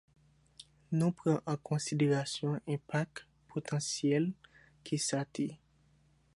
nou pran an konsiderasyon enpak potansyèl ke sa te